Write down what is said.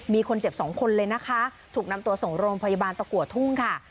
มีคนเจ็บสองคนเลยนะคะถูกนำตัวส่งโรงพยาบาลตะกัวทุ่งค่ะ